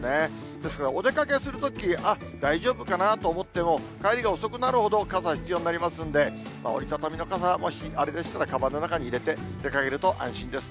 ですからお出かけするとき、あっ、大丈夫かなと思っても、帰りが遅くなるほど傘、必要になりますので、折り畳みの傘、もしあれでしたら、かばんの中に入れて、出かけると安心です。